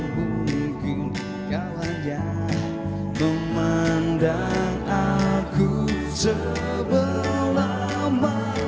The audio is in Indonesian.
mungkin kau hanya memandang aku sebelah mata